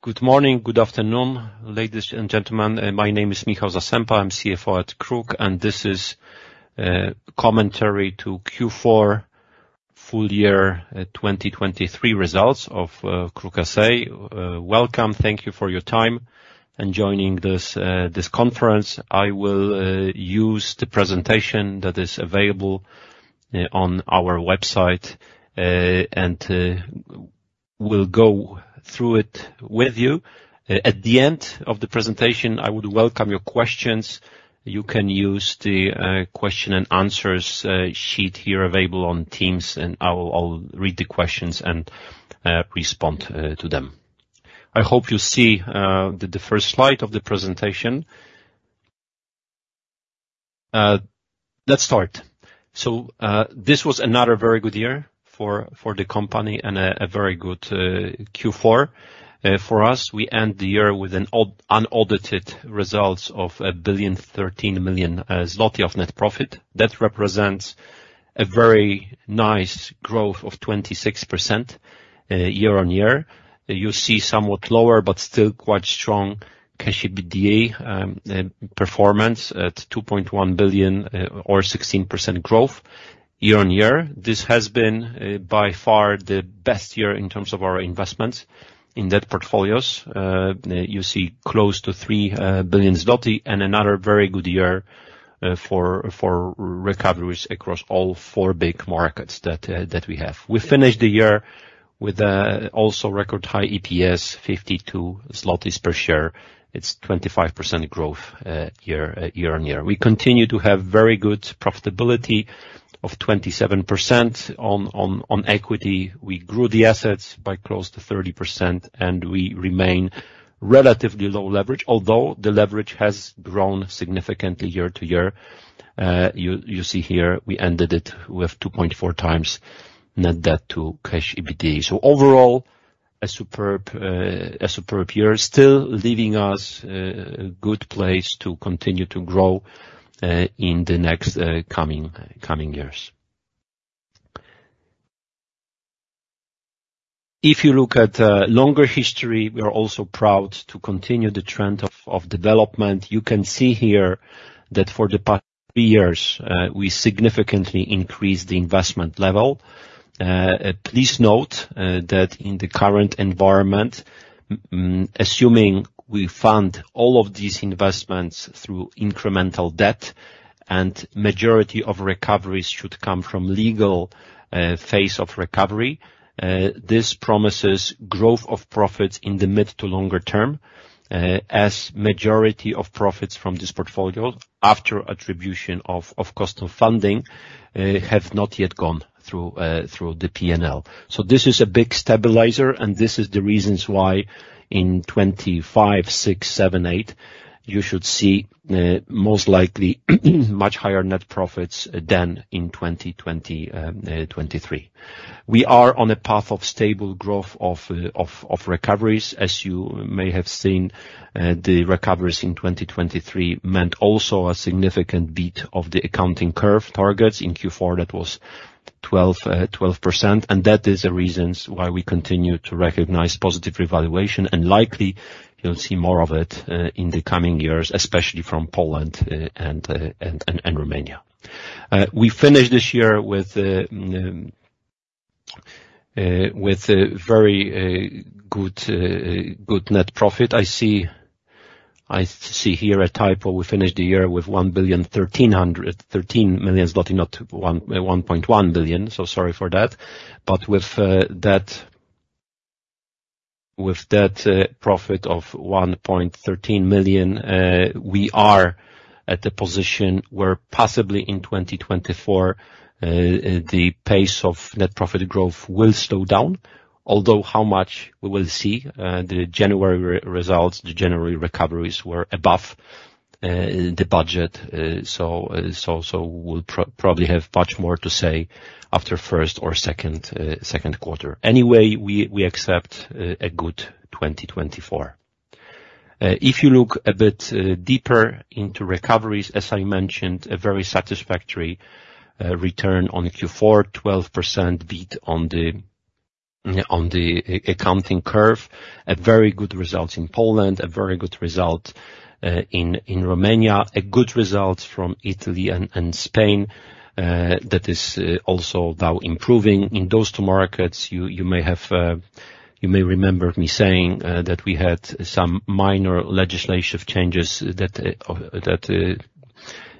Good morning, good afternoon, ladies and gentlemen. My name is Michał Zasępa, I'm CFO at KRUK, and this is commentary to Q4 full year 2023 results of KRUK S.A. Welcome. Thank you for your time in joining this conference. I will use the presentation that is available on our website, and we'll go through it with you. At the end of the presentation, I would welcome your questions. You can use the question and answers sheet here available on Teams, and I'll read the questions and respond to them. I hope you see the first slide of the presentation. Let's start. So, this was another very good year for the company and a very good Q4. For us, we end the year with our unaudited results of billion, 1,013 million zloty of net profit. That represents a very nice growth of 26% year-on-year. You see somewhat lower, but still quite strong Cash EBITDA performance at 2.1 billion, or 16% growth year-on-year. This has been, by far, the best year in terms of our investments in debt portfolios. You see close to 3 billion zloty and another very good year for recoveries across all four big markets that we have. We finished the year with also record high EPS, 52 zlotys per share. It's 25% growth year-on-year. We continue to have very good profitability of 27% on equity. We grew the assets by close to 30%, and we remain relatively low leverage. Although the leverage has grown significantly year-over-year. You see here, we ended it with 2.4 times net debt to Cash EBITDA. So overall, a superb year, still leaving us a good place to continue to grow in the next coming years. If you look at longer history, we are also proud to continue the trend of development. You can see here that for the past three years, we significantly increased the investment level. Please note that in the current environment, assuming we fund all of these investments through incremental debt, and majority of recoveries should come from legal phase of recovery, this promises growth of profits in the mid to longer term, as majority of profits from this portfolio, after attribution of cost of funding, have not yet gone through the P&L. So this is a big stabilizer, and this is the reasons why in 2025, 2026, 2027, 2028, you should see most likely much higher net profits than in 2023. We are on a path of stable growth of recoveries. As you may have seen, the recoveries in 2023 meant also a significant beat of the accounting curve targets. In Q4, that was 12, 12%, and that is the reasons why we continue to recognize positive revaluation, and likely you'll see more of it in the coming years, especially from Poland and Romania. We finished this year with a very good net profit. I see, I see here a typo. We finished the year with 1,013 million, not 1.1 billion. So sorry for that. But with that profit of 1.13 million, we are at the position where possibly in 2024, the pace of net profit growth will slow down, although how much we will see, the January results, the January recoveries were above the budget. So, we'll probably have much more to say after Q1 or Q2. Anyway, we accept a good 2024. If you look a bit deeper into recoveries, as I mentioned, a very satisfactory return on Q4, 12% beat on the accounting curve. A very good result in Poland, a very good result in Romania, a good result from Italy and Spain that is also now improving. In those two markets, you may remember me saying that we had some minor legislative changes that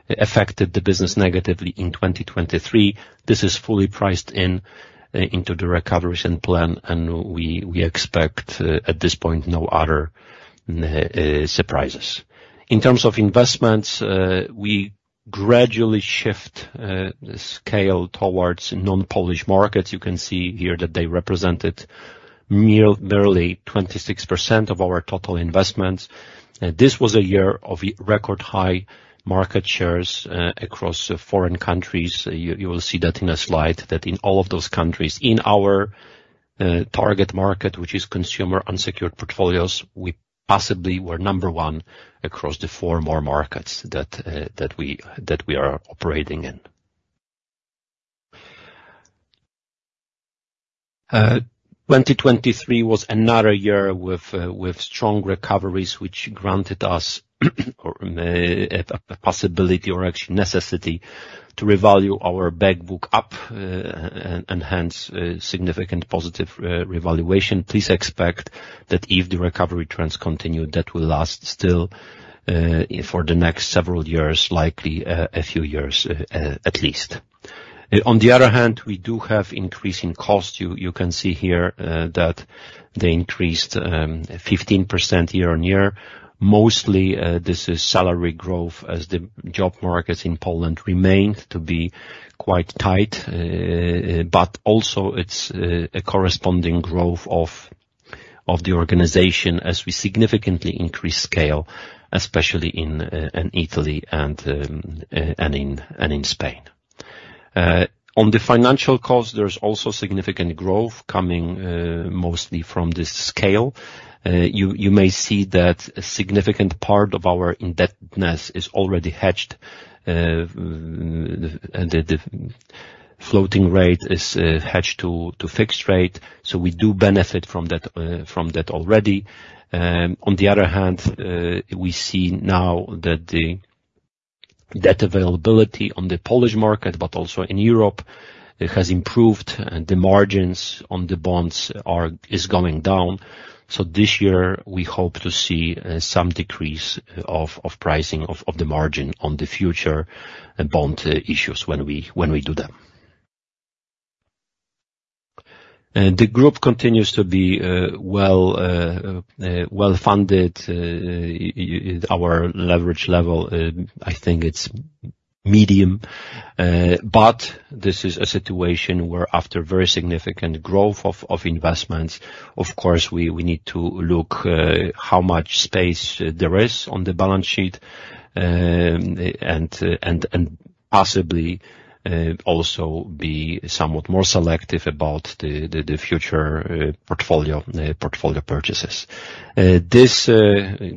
affected the business negatively in 2023. This is fully priced in into the recovery and plan, and we expect at this point, no other surprises. In terms of investments, we gradually shift the scale towards non-Polish markets. You can see here that they represented nearly 26% of our total investments. This was a year of record high market shares across foreign countries. You will see that in a slide, that in all of those countries, in our target market, which is consumer unsecured portfolios, we possibly were number one across the four more markets that we are operating in. 2023 was another year with strong recoveries, which granted us a possibility or actually necessity to revalue our back book up, and hence significant positive revaluation. Please expect that if the recovery trends continue, that will last still for the next several years, likely a few years at least. On the other hand, we do have increasing costs. You can see here that they increased 15% year-on-year. Mostly this is salary growth as the job markets in Poland remain to be quite tight, but also it's a corresponding growth of the organization as we significantly increase scale, especially in Italy and in Spain. On the financial cost, there is also significant growth coming, mostly from this scale. You may see that a significant part of our indebtedness is already hedged, and the floating rate is hedged to fixed rate, so we do benefit from that already. On the other hand, we see now that the debt availability on the Polish market, but also in Europe, it has improved, and the margins on the bonds is going down. So this year, we hope to see some decrease of pricing of the margin on the future bond issues when we do them. The group continues to be well-funded. Our leverage level, I think it's medium, but this is a situation where after very significant growth of investments, of course, we need to look how much space there is on the balance sheet, and possibly also be somewhat more selective about the future portfolio purchases. This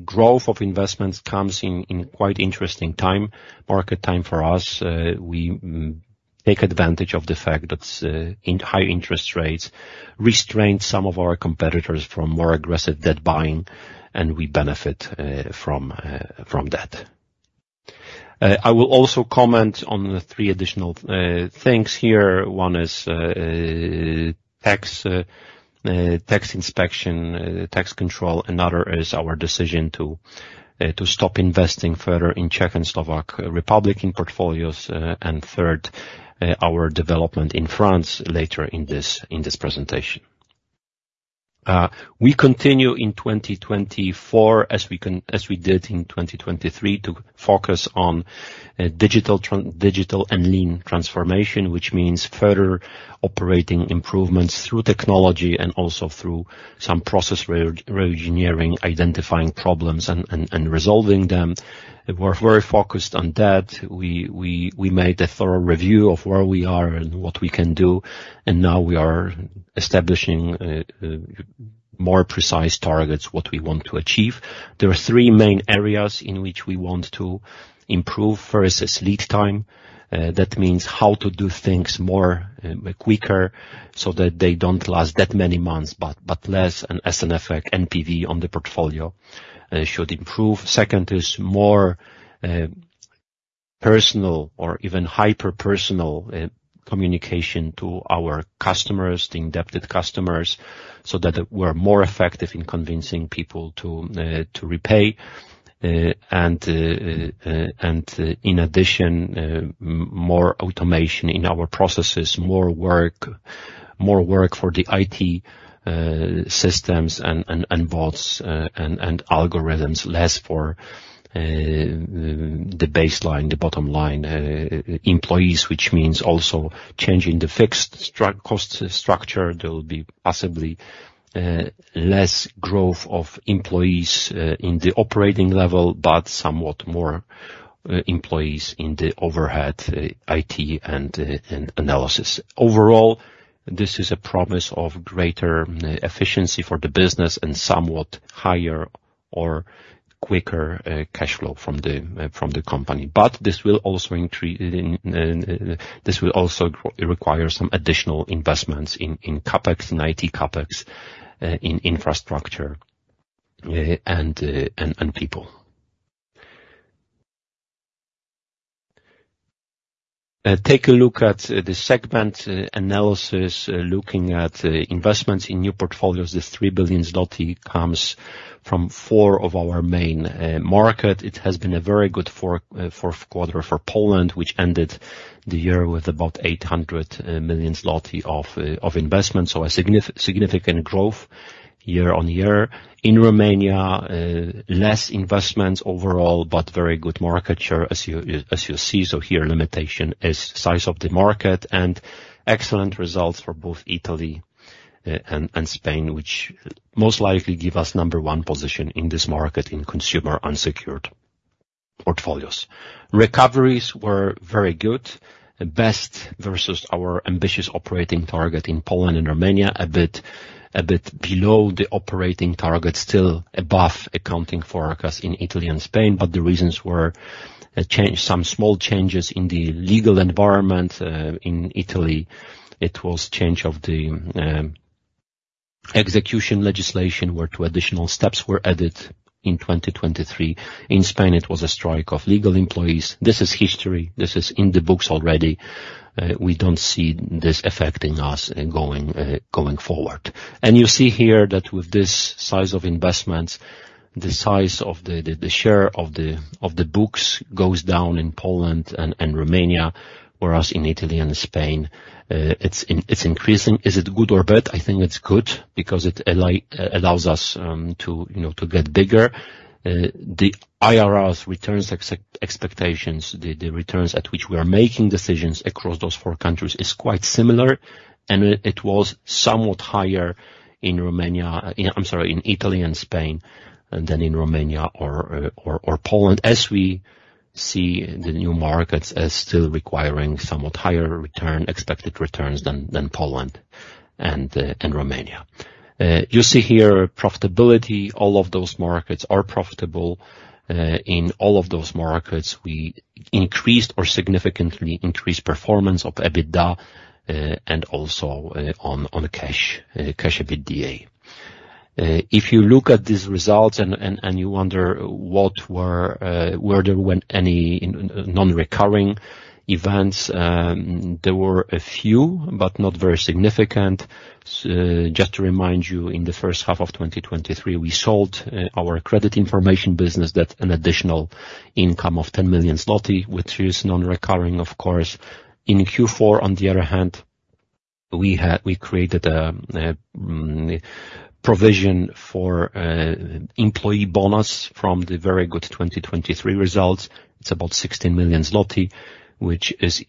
growth of investments comes in quite interesting time, market time for us. We take advantage of the fact that in high interest rates restrain some of our competitors from more aggressive debt buying, and we benefit from that. I will also comment on the three additional things here. One is tax inspection, tax control. Another is our decision to stop investing further in Czech Republic and Slovakia in portfolios. And third, our development in France later in this presentation. We continue in 2024, as we did in 2023, to focus on digital and lean transformation, which means further operating improvements through technology and also through some process reengineering, identifying problems and resolving them. We're very focused on that. We made a thorough review of where we are and what we can do, and now we are establishing more precise targets, what we want to achieve. There are three main areas in which we want to improve. First is lead time. That means how to do things more quicker so that they don't last that many months, but less, and as an effect, NPV on the portfolio should improve. Second is more personal or even hyper-personal communication to our customers, the indebted customers, so that we're more effective in convincing people to repay. In addition, more automation in our processes, more work for the IT systems and bots and algorithms, less for the baseline, the bottom line employees, which means also changing the fixed cost structure. There will be possibly less growth of employees in the operating level, but somewhat more employees in the overhead IT and analysis. Overall, this is a promise of greater efficiency for the business and somewhat higher or quicker cash flow from the company. But this will also require some additional investments in CapEx, in IT CapEx, in infrastructure, and people. Take a look at the segment analysis, looking at investments in new portfolios. This 3 billion zloty comes from four of our main markets. It has been a very good fourth quarter for Poland, which ended the year with about 800 million zloty of investment, so a significant growth year-on-year. In Romania, less investments overall, but very good market share, as you see. So here, limitation is size of the market and excellent results for both Italy and Spain, which most likely give us number one position in this market in consumer unsecured portfolios. Recoveries were very good, the best versus our ambitious operating target in Poland and Romania, a bit below the operating target, still above accounting for us in Italy and Spain, but the reasons were a change, some small changes in the legal environment. In Italy, it was change of the... execution legislation, where two additional steps were added in 2023. In Spain, it was a strike of legal employees. This is history. This is in the books already. We don't see this affecting us going forward. And you see here that with this size of investments, the size of the share of the books goes down in Poland and Romania, whereas in Italy and Spain, it's increasing. Is it good or bad? I think it's good because it allows us, you know, to get bigger. The IRR's returns exceed expectations, the returns at which we are making decisions across those four countries is quite similar, and it was somewhat higher in Italy and Spain than in Romania or Poland, as we see the new markets as still requiring somewhat higher return, expected returns than Poland and Romania. You see here profitability. All of those markets are profitable. In all of those markets, we increased or significantly increased performance of EBITDA and also on cash EBITDA. If you look at these results and you wonder what were there any non-recurring events, there were a few, but not very significant. So just to remind you, in the H1 of 2023, we sold our credit information business. That's an additional income of 10 million zloty, which is non-recurring, of course. In Q4, on the other hand, we created a provision for employee bonus from the very good 2023 results. It's about 16 million zloty, which is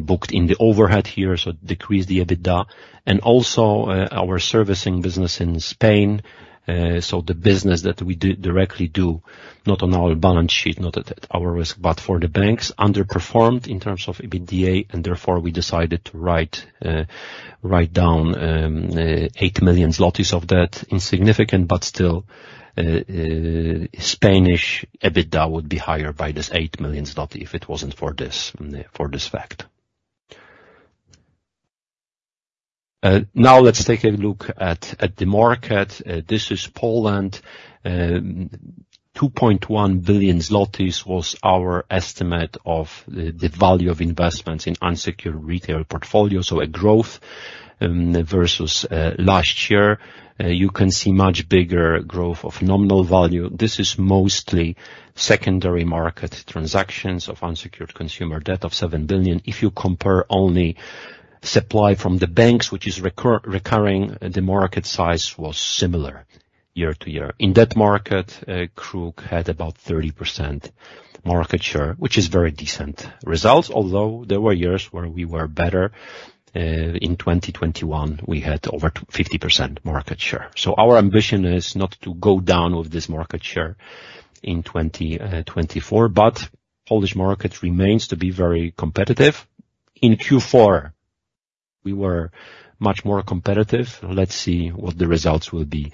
booked in the overhead here, so decrease the EBITDA. And also, our servicing business in Spain, so the business that we do directly, not on our balance sheet, not at our risk, but for the banks, underperformed in terms of EBITDA, and therefore we decided to write down 8 million zlotys of that. Insignificant, but still, Spanish EBITDA would be higher by this 8 million zloty if it wasn't for this fact. Now let's take a look at the market. This is Poland. 2.1 billion zlotys was our estimate of the value of investments in unsecured retail portfolios, so a growth versus last year. You can see much bigger growth of nominal value. This is mostly secondary market transactions of unsecured consumer debt of 7 billion. If you compare only supply from the banks, which is recurring, the market size was similar year-to-year. In that market, KRUK had about 30% market share, which is very decent results, although there were years where we were better. In 2021, we had over 50% market share. Our ambition is not to go down with this market share in 2024, but Polish market remains to be very competitive. In Q4, we were much more competitive. Let's see what the results will be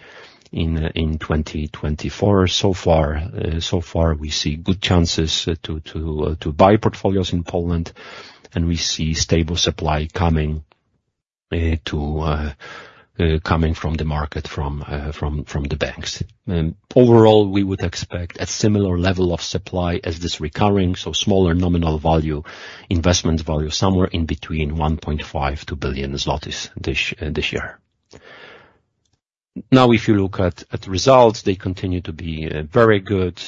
in 2024. So far, we see good chances to buy portfolios in Poland, and we see stable supply coming from the market, from the banks. Overall, we would expect a similar level of supply as this recurring, so smaller nominal value, investment value, somewhere in between 1.5 billion-2 billion zlotys this year. Now, if you look at results, they continue to be very good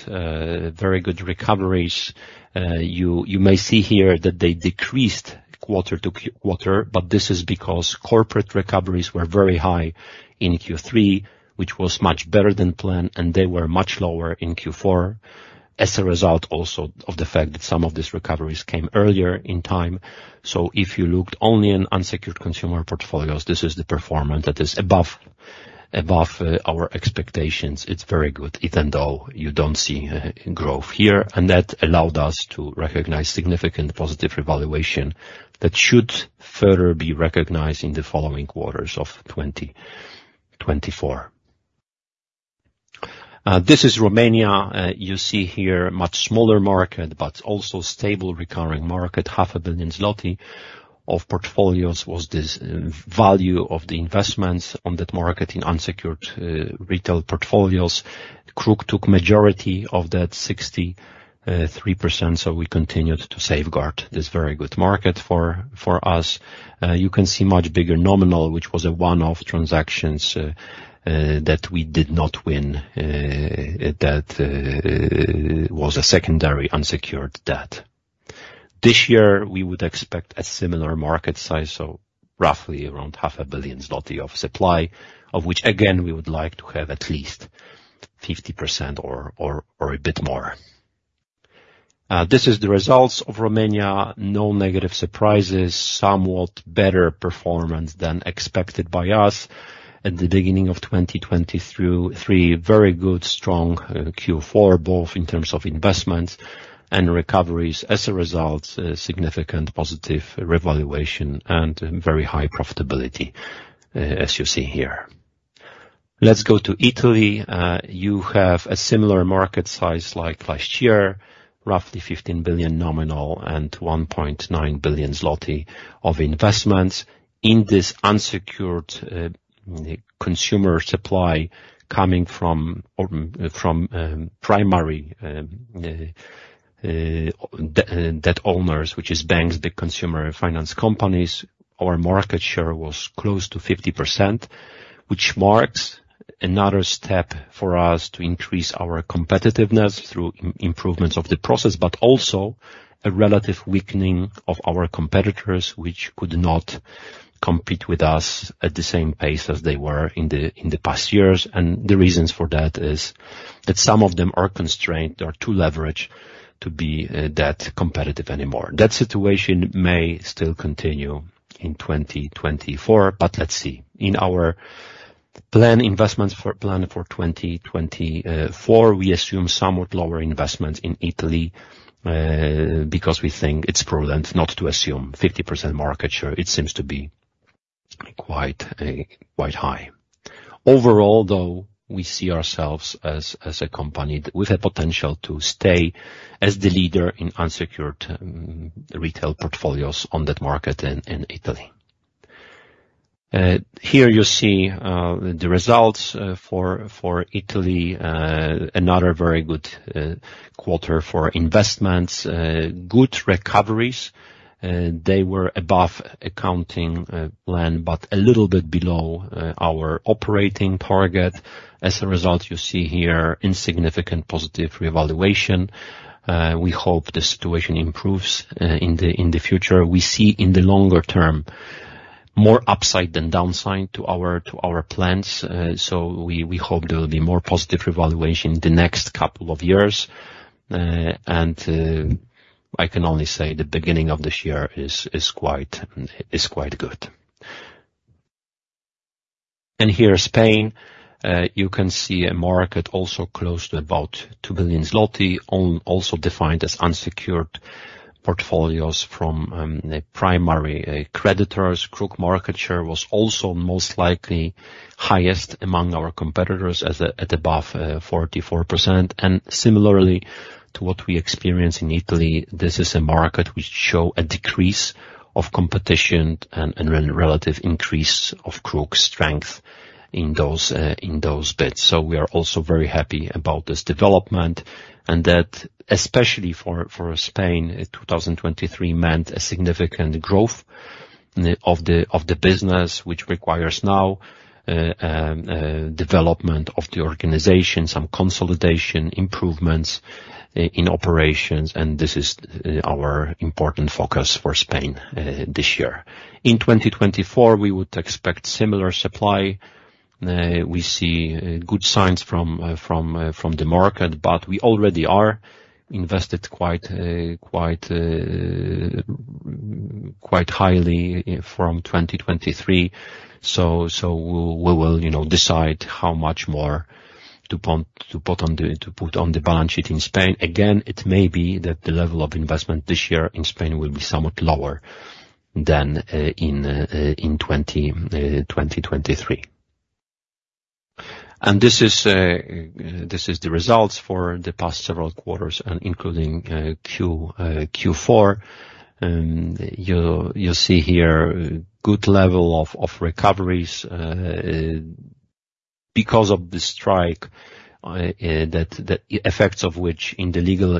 recoveries. You may see here that they decreased quarter-to-quarter, but this is because corporate recoveries were very high in Q3, which was much better than planned, and they were much lower in Q4, as a result also of the fact that some of these recoveries came earlier in time. So if you looked only in unsecured consumer portfolios, this is the performance that is above our expectations. It's very good, even though you don't see growth here, and that allowed us to recognize significant positive revaluation that should further be recognized in the following quarters of 2024. This is Romania. You see here much smaller market, but also stable recurring market. 500 million zloty of portfolios was this value of the investments on that market in unsecured retail portfolios. KRUK took majority of that 63%, so we continued to safeguard this very good market for us. You can see much bigger nominal, which was a one-off transactions that we did not win, that was a secondary unsecured debt. This year, we would expect a similar market size, so roughly around 500 million zloty of supply, of which again, we would like to have at least 50% or a bit more. This is the results of Romania. No negative surprises, somewhat better performance than expected by us at the beginning of 2023. Very good, strong Q4, both in terms of investments and recoveries. As a result, a significant positive revaluation and very high profitability, as you see here. Let's go to Italy. You have a similar market size like last year, roughly 15 billion nominal and 1.9 billion zloty of investments in this unsecured, consumer supply coming from primary debt owners, which is banks, the consumer finance companies. Our market share was close to 50%, which marks another step for us to increase our competitiveness through improvements of the process, but also a relative weakening of our competitors, which could not compete with us at the same pace as they were in the past years. The reasons for that is that some of them are constrained or too leveraged to be that competitive anymore. That situation may still continue in 2024, but let's see. In our planned investments for 2024, we assume somewhat lower investments in Italy because we think it's prudent not to assume 50% market share. It seems to be quite high. Overall, though, we see ourselves as a company with a potential to stay as the leader in unsecured retail portfolios on that market in Italy. Here you see the results for Italy, another very good quarter for investments, good recoveries. They were above accounting plan, but a little bit below our operating target. As a result, you see here insignificant positive revaluation. We hope the situation improves in the future. We see in the longer term, more upside than downside to our plans, so we hope there will be more positive revaluation in the next couple of years. I can only say the beginning of this year is quite good. And here's Spain. You can see a market also close to about 2 billion zloty, also defined as unsecured portfolios from the primary creditors. KRUK market share was also most likely highest among our competitors as at above 44%. And similarly to what we experience in Italy, this is a market which shows a decrease of competition and relative increase of KRUK strength in those bids. So we are also very happy about this development, and that especially for Spain, 2023 meant a significant growth of the business, which requires now development of the organization, some consolidation, improvements in operations, and this is our important focus for Spain this year. In 2024, we would expect similar supply. We see good signs from the market, but we already are invested quite highly from 2023. So we will, you know, decide how much more to put on the balance sheet in Spain. Again, it may be that the level of investment this year in Spain will be somewhat lower than in 2023. This is the results for the past several quarters and including Q4. You'll see here good level of recoveries because of the strike that the effects of which in the legal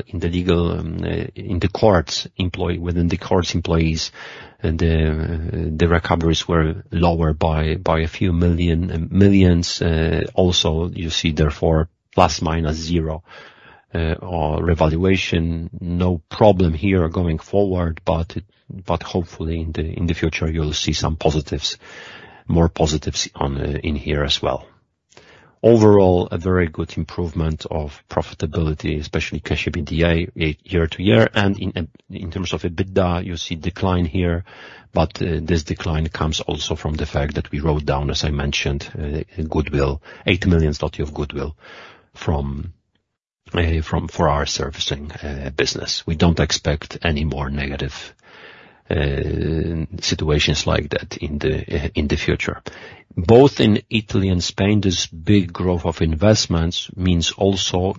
in the courts employees within the courts employees, the recoveries were lower by a few million PLN. Also, you see therefore +/- 0 or revaluation. No problem here going forward, but hopefully in the future, you'll see some positives, more positives on in here as well. Overall, a very good improvement of profitability, especially cash EBITDA year-over-year. In terms of EBITDA, you see decline here, but this decline comes also from the fact that we wrote down, as I mentioned, goodwill, 8 million zloty of goodwill from, for our servicing business. We don't expect any more negative situations like that in the future. Both in Italy and Spain, this big growth of investments means also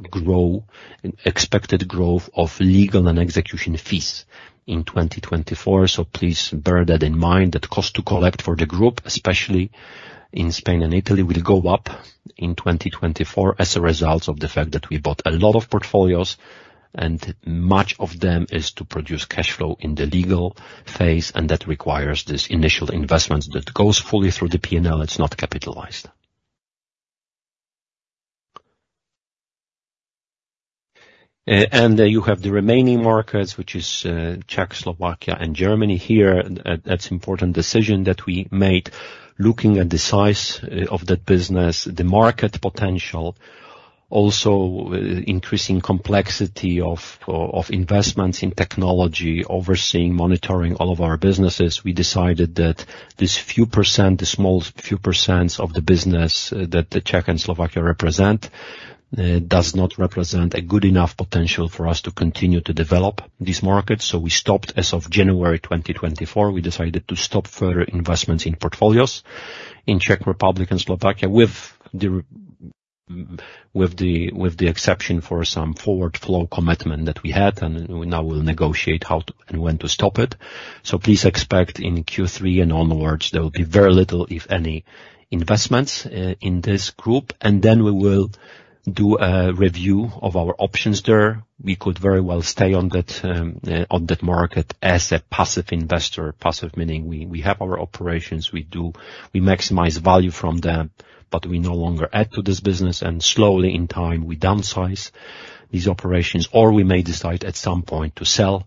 expected growth of legal and execution fees in 2024. So please bear that in mind, that cost to collect for the group, especially in Spain and Italy, will go up in 2024 as a result of the fact that we bought a lot of portfolios, and much of them is to produce cash flow in the legal phase, and that requires this initial investment that goes fully through the P&L; it's not capitalized. And you have the remaining markets, which is Czech, Slovakia, and Germany. Here, that's important decision that we made, looking at the size of that business, the market potential, also increasing complexity of investments in technology, overseeing, monitoring all of our businesses. We decided that this few percent, the small few percents of the business that the Czech and Slovakia represent does not represent a good enough potential for us to continue to develop this market. So we stopped as of January 2024, we decided to stop further investments in portfolios in Czech Republic and Slovakia. With the exception for some forward flow commitment that we had, and we now will negotiate how to and when to stop it. So please expect in Q3 and onwards, there will be very little, if any, investments in this group, and then we will do a review of our options there. We could very well stay on that, on that market as a passive investor. Passive meaning we, we have our operations, we do we maximize value from them, but we no longer add to this business, and slowly in time, we downsize these operations, or we may decide at some point to sell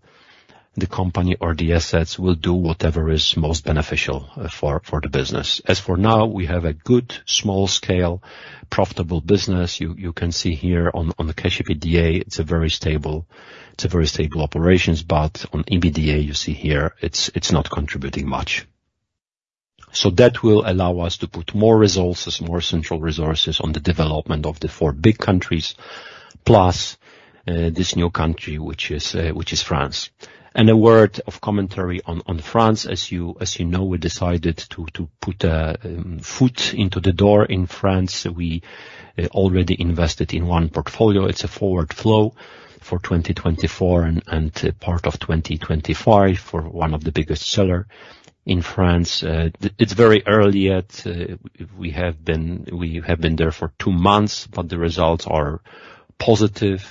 the company or the assets. We'll do whatever is most beneficial for, for the business. As for now, we have a good, small scale, profitable business. You, you can see here on, on the Cash EBITDA, it's a very stable, it's a very stable operations, but on EBITDA, you see here, it's, it's not contributing much. So that will allow us to put more resources, more central resources on the development of the four big countries, plus, this new country, which is, which is France. And a word of commentary on, on France. As you, as you know, we decided to, to put a, foot into the door in France. We, already invested in one portfolio. It's a Forward Flow for 2024 and, and part of 2025 for one of the biggest seller in France. It's very early yet. We have been, we have been there for two months, but the results are positive.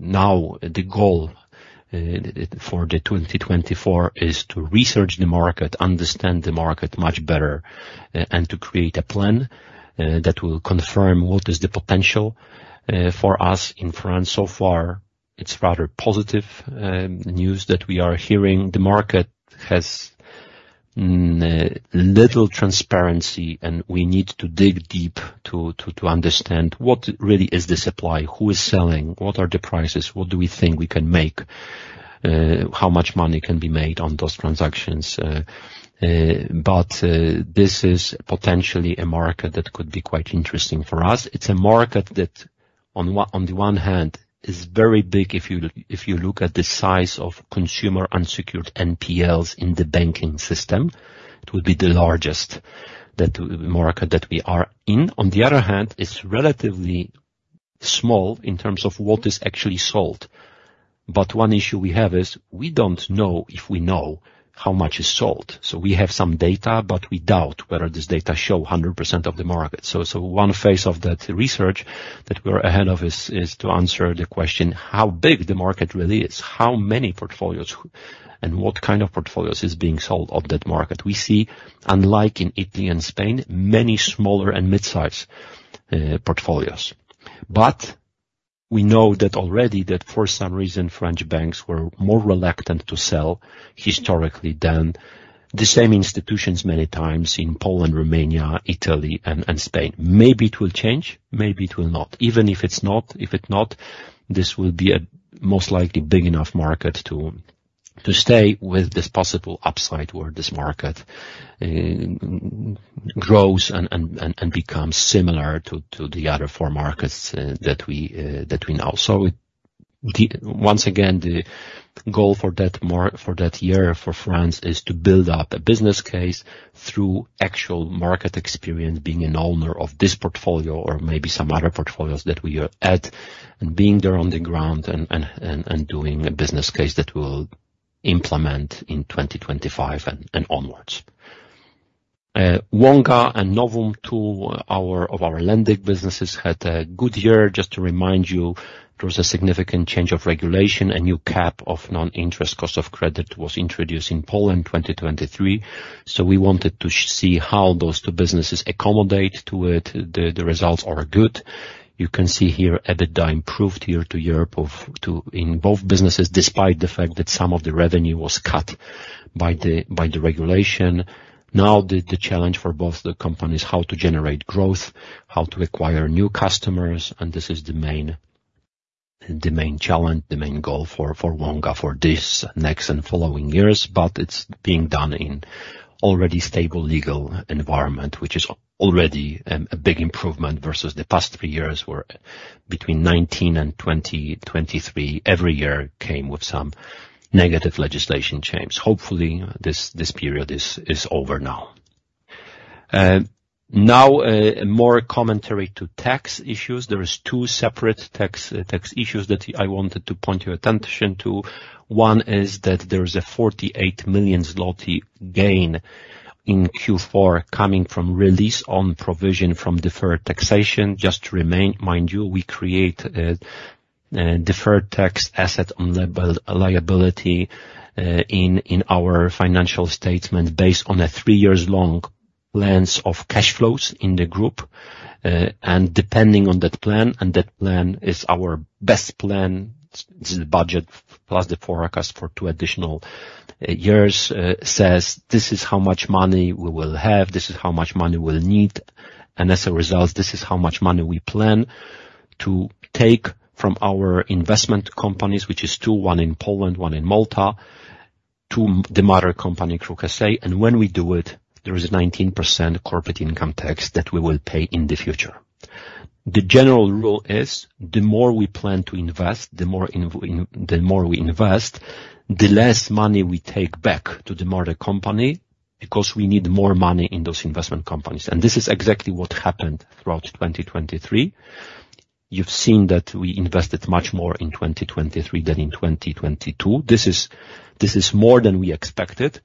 Now, the goal, for the 2024 is to research the market, understand the market much better, and to create a plan, that will confirm what is the potential, for us in France. So far, it's rather positive news that we are hearing. The market has little transparency, and we need to dig deep to understand what really is the supply, who is selling, what are the prices, what do we think we can make, how much money can be made on those transactions? But this is potentially a market that could be quite interesting for us. It's a market that on the one hand is very big if you look at the size of consumer unsecured NPLs in the banking system; it will be the largest market that we are in. On the other hand, it's relatively small in terms of what is actually sold. But one issue we have is we don't know how much is sold. So we have some data, but we doubt whether this data show 100% of the market. So one phase of that research that we're ahead of is to answer the question, how big the market really is? How many portfolios and what kind of portfolios is being sold on that market? We see, unlike in Italy and Spain, many smaller and mid-size portfolios. But we know already that for some reason, French banks were more reluctant to sell historically than the same institutions many times in Poland, Romania, Italy and Spain. Maybe it will change, maybe it will not. Even if it's not, if it not, this will be a most likely big enough market to stay with this possible upside where this market grows and becomes similar to the other four markets that we know. So once again, the goal for that year for France is to build up a business case through actual market experience, being an owner of this portfolio or maybe some other portfolios that we are at, and being there on the ground and doing a business case that will implement in 2025 and onwards. Wonga and Novum, two of our lending businesses, had a good year. Just to remind you, there was a significant change of regulation. A new cap of non-interest cost of credit was introduced in Poland in 2023. So we wanted to see how those two businesses accommodate to it. The results are good. You can see here, EBITDA improved year-over-year in both businesses, despite the fact that some of the revenue was cut by the regulation. Now, the challenge for both the companies, how to generate growth, how to acquire new customers, and this is the main challenge, the main goal for Wonga for this next and following years. But it's being done in already stable legal environment, which is already a big improvement versus the past three years, where between 2019 and 2023, every year came with some negative legislation changes. Hopefully, this period is over now. Now, more commentary to tax issues. There is two separate tax issues that I wanted to point your attention to. One is that there is a 48 million zloty gain in Q4 coming from release on provision from deferred taxation. Just to remind you, we create deferred tax asset on liability in our financial statement, based on a three-year-long lens of cash flows in the group. And depending on that plan, and that plan is our best plan, this is the budget plus the forecast for two additional years, says this is how much money we will have, this is how much money we'll need, and as a result, this is how much money we plan to take from our investment companies, which is two, one in Poland, one in Malta, to the mother company, KRUK S.A., and when we do it, there is a 19% corporate income tax that we will pay in the future. The general rule is, the more we plan to invest, the more we invest, the less money we take back to the mother company, because we need more money in those investment companies. This is exactly what happened throughout 2023. You've seen that we invested much more in 2023 than in 2022. This is more than we expected.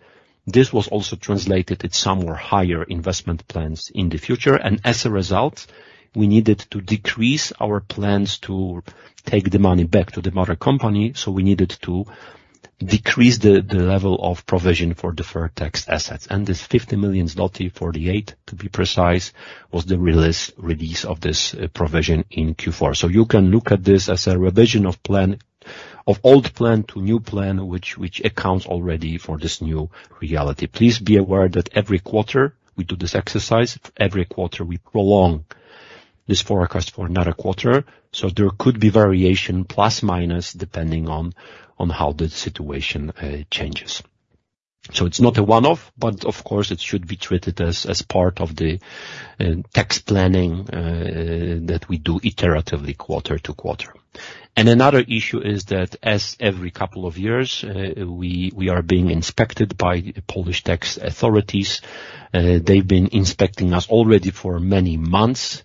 This was also translated at some more higher investment plans in the future, and as a result, we needed to decrease our plans to take the money back to the mother company, so we needed to decrease the level of provision for deferred tax assets. This 50 million zloty, 48 to be precise, was the release of this provision in Q4. So you can look at this as a revision of plan, of old plan to new plan, which accounts already for this new reality. Please be aware that every quarter we do this exercise, every quarter we prolong this forecast for another quarter, so there could be variation plus, minus, depending on how the situation changes. So it's not a one-off, but of course, it should be treated as part of the tax planning that we do iteratively quarter-to-quarter. And another issue is that as every couple of years we are being inspected by Polish tax authorities, they've been inspecting us already for many months,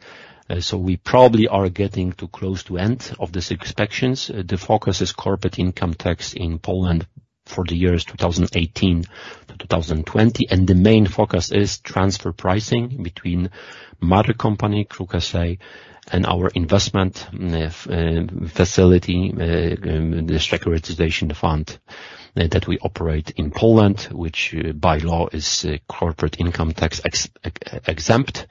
so we probably are getting too close to end of these inspections. The focus is corporate income tax in Poland for the years 2018 to 2020, and the main focus is transfer pricing between mother company, KRUK S.A., and our investment facility, the securitization fund that we operate in Poland, which by law is corporate income tax exempt,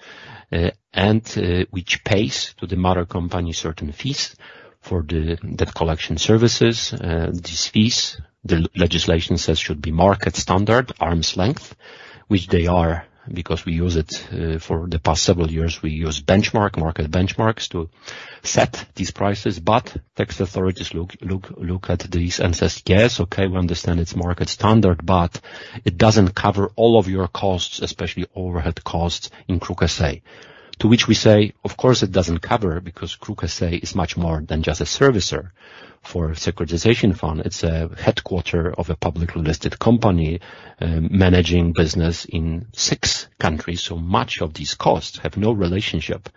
and which pays to the mother company certain fees for the collection services. These fees, the legislation says, should be market standard, arm's length, which they are, because we use it for the past several years, we use benchmark, market benchmarks to set these prices. But tax authorities look, look, look at this and say, "Yes, okay, we understand it's market standard, but it doesn't cover all of your costs, especially overhead costs in KRUK S.A." To which we say, "Of course, it doesn't cover, because KRUK S.A. is much more than just a servicer for Securitization Fund. It's a headquarters of a publicly listed company, managing business in six countries, so much of these costs have no relationship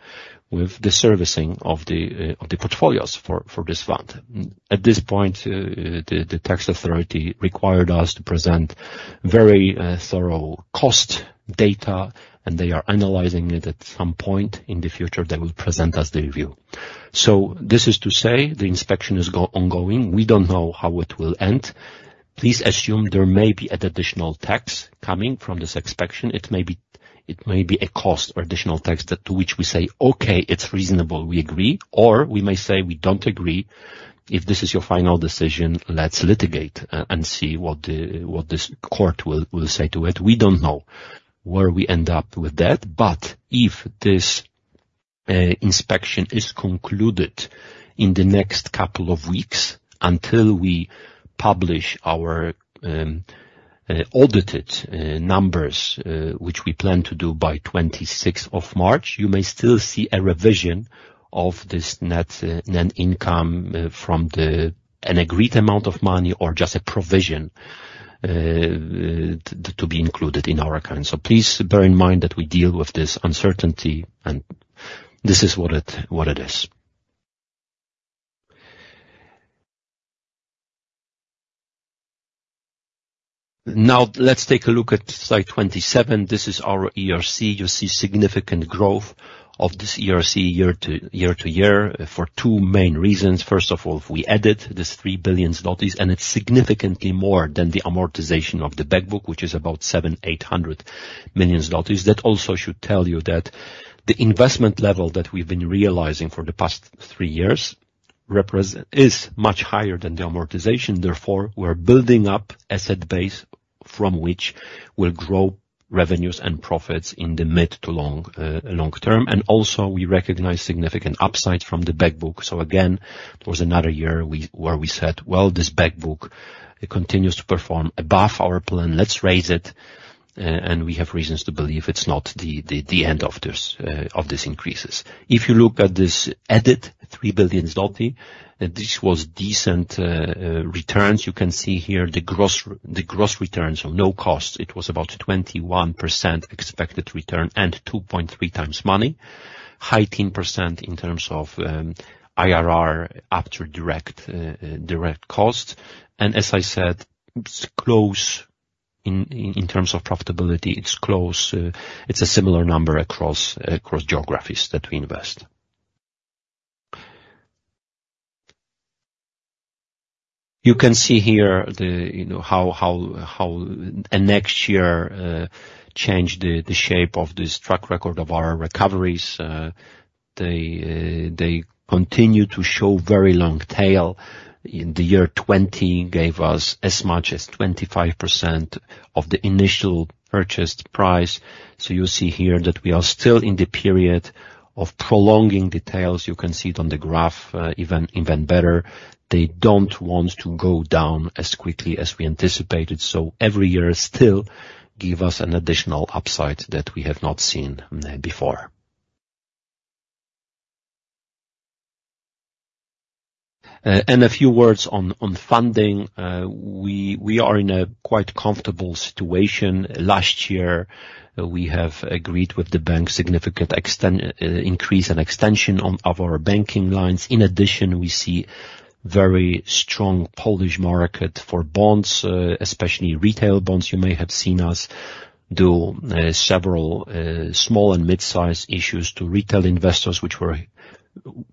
with the servicing of the, of the portfolios for, for this fund." At this point, the tax authority required us to present very thorough cost data, and they are analyzing it. At some point in the future, they will present us the review. So this is to say the inspection is ongoing. We don't know how it will end. Please assume there may be additional tax coming from this inspection. It may be, it may be a cost or additional tax, that to which we say, "Okay, it's reasonable, we agree," or we may say, "We don't agree. If this is your final decision, let's litigate and see what the, what this court will, will say to it." We don't know where we end up with that, but if this inspection is concluded in the next couple of weeks until we publish our audited numbers, which we plan to do by 26th of March, you may still see a revision of this net income from an agreed amount of money or just a provision to be included in our account. So please bear in mind that we deal with this uncertainty, and this is what it is. Now, let's take a look at slide 27. This is our ERC. You see significant growth of this ERC year to year-to-year, for two main reasons. First of all, we added this 3 billion zlotys, and it's significantly more than the amortization of the back book, which is about 700-800 million zlotys. That also should tell you that the investment level that we've been realizing for the past three years is much higher than the amortization. Therefore, we're building up asset base from which will grow revenues and profits in the mid to long, long term. And also, we recognize significant upside from the back book. So again, it was another year where we said, "Well, this back book continues to perform above our plan. Let's raise it," and we have reasons to believe it's not the, the, the end of this, of these increases. If you look at this added 3 billion zloty, this was decent returns. You can see here the gross returns or no cost. It was about 21% expected return and 2.3 times money, high-teen % in terms of IRR after direct costs. And as I said, it's close in terms of profitability, it's close, it's a similar number across geographies that we invest. You can see here, you know, how and next year changed the shape of this track record of our recoveries. They continue to show very long tail. In the year 2020, gave us as much as 25% of the initial purchase price. So you see here that we are still in the period of prolonging tails. You can see it on the graph, even better. They don't want to go down as quickly as we anticipated, so every year still give us an additional upside that we have not seen before. And a few words on funding. We are in a quite comfortable situation. Last year, we have agreed with the bank significant extension, increase and extension of our banking lines. In addition, we see very strong Polish market for bonds, especially retail bonds. You may have seen us do several small and mid-sized issues to retail investors which were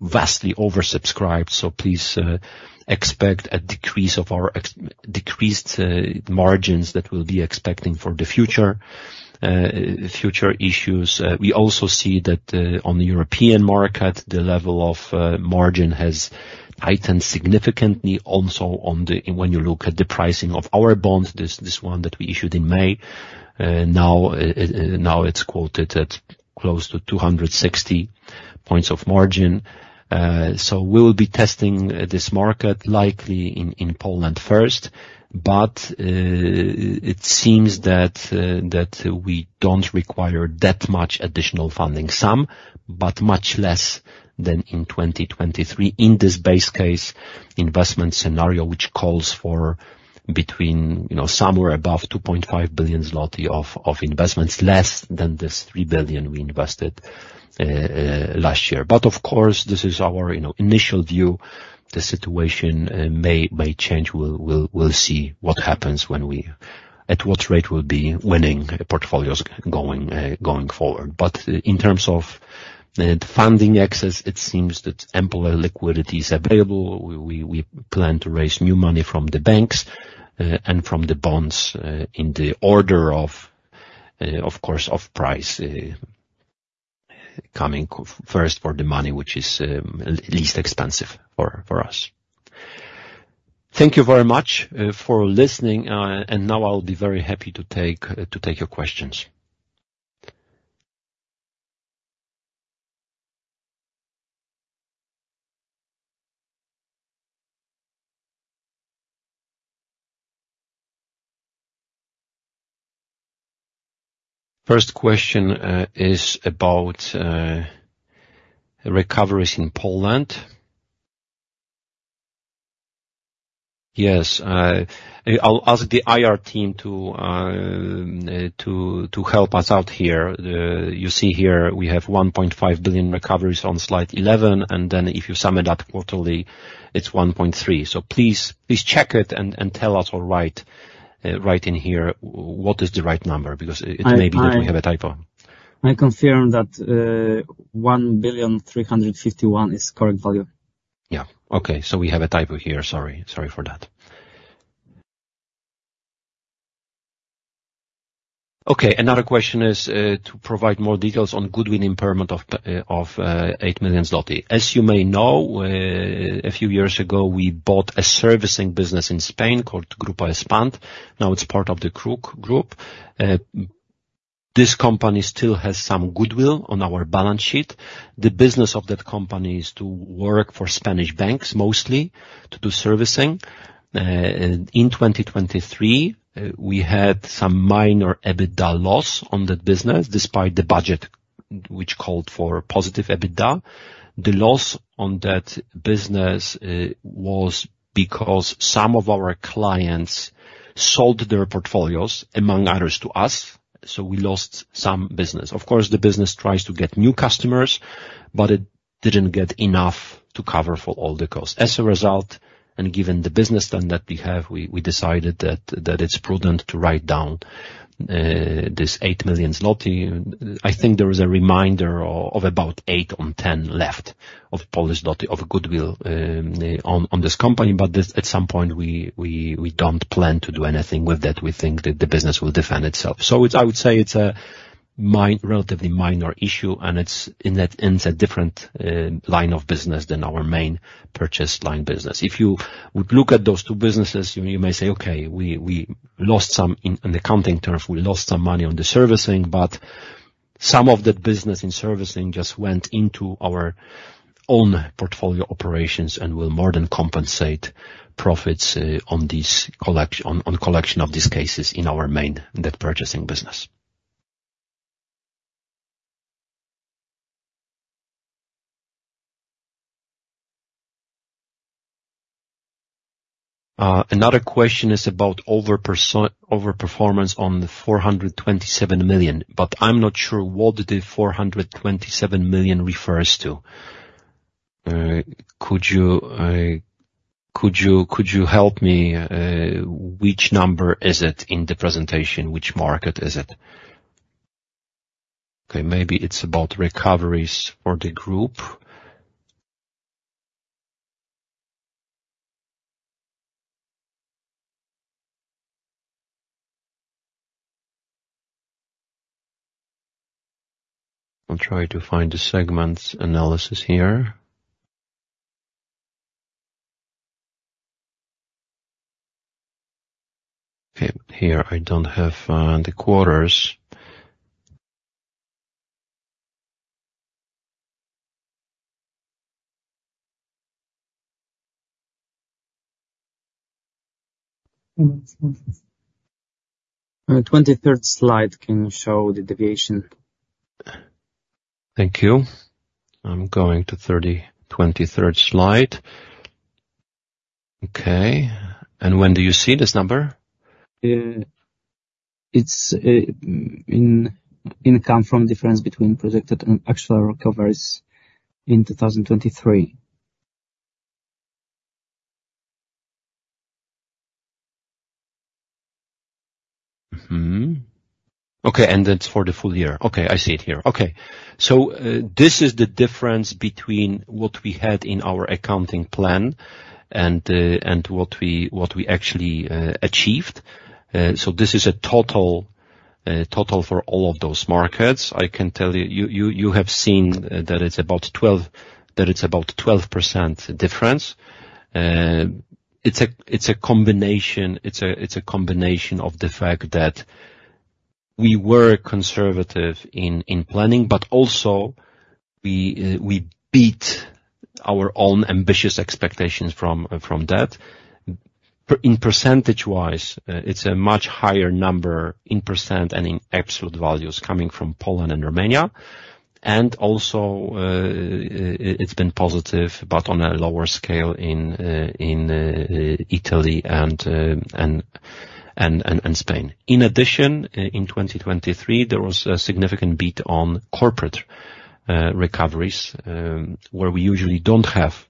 vastly oversubscribed. So please expect a decrease of our expected margins that we'll be expecting for the future issues. We also see that, on the European market, the level of margin has heightened significantly, also on the, when you look at the pricing of our bonds, this, this one that we issued in May, now, now it's quoted at close to 260 points of margin. So we will be testing this market, likely in Poland first. But, it seems that, that we don't require that much additional funding, some, but much less than in 2023. In this base case investment scenario, which calls for between, you know, somewhere above 2.5 billion zloty of investments, less than the 3 billion we invested last year. But of course, this is our, you know, initial view. The situation may change. We'll see what happens when we at what rate we'll be winning portfolios going forward. But in terms of the funding access, it seems that ample liquidity is available. We plan to raise new money from the banks and from the bonds in the order of course of price coming first for the money, which is least expensive for us. Thank you very much for listening, and now I'll be very happy to take your questions. First question is about recoveries in Poland. Yes, I'll ask the IR team to help us out here. You see here, we have 1.5 billion recoveries on slide 11, and then if you sum it up quarterly, it's 1.3 billion. So please, please check it and, and tell us or write, write in here what is the right number, because it may be that we have a typo. I confirm that, 1.351 billion is correct value. Yeah. Okay, so we have a typo here. Sorry. Sorry for that. Okay, another question is, to provide more details on goodwill impairment of, of, 8 million zloty. As you may know, a few years ago, we bought a servicing business in Spain called Grupo Espand. Now it's part of the KRUK Group. This company still has some goodwill on our balance sheet. The business of that company is to work for Spanish banks mostly, to do servicing. In 2023, we had some minor EBITDA loss on that business, despite the budget, which called for positive EBITDA. The loss on that business was because some of our clients sold their portfolios, among others, to us, so we lost some business. Of course, the business tries to get new customers, but it didn't get enough to cover for all the costs. As a result, and given the business plan that we have, we decided that it's prudent to write down this 8 million zloty. I think there is a remainder of about 8-10 million left of goodwill on this company, but this, at some point, we don't plan to do anything with that. We think that the business will defend itself. So it's I would say it's a relatively minor issue, and it's in a different line of business than our main purchase line business. If you would look at those two businesses, you may say, "Okay, we, we lost some, in accounting terms, we lost some money on the servicing," but some of that business in servicing just went into our own portfolio operations and will more than compensate profits on this collection of these cases in our main debt purchasing business. Another question is about overperformance on the 427 million, but I'm not sure what the 427 million refers to. Could you help me? Which number is it in the presentation? Which market is it? Okay, maybe it's about recoveries for the group. I'll try to find the segments analysis here. Okay, here I don't have the quarters. On the 23rd slide, can you show the deviation? Thank you. I'm going to 30, 23rd slide. Okay, and when do you see this number? It's income from difference between projected and actual recoveries in 2023. Okay, and that's for the full year. Okay. I see it here. Okay. So, this is the difference between what we had in our accounting plan and what we actually achieved. So this is a total for all of those markets. I can tell you, you have seen that it's about 12, that it's about 12% difference. It's a combination of the fact that we were conservative in planning, but also we beat our own ambitious expectations from that. In percentage-wise, it's a much higher number in percent and in absolute values coming from Poland and Romania, and also, it's been positive, but on a lower scale in Italy and Spain. In addition, in 2023, there was a significant beat on corporate recoveries, where we usually don't have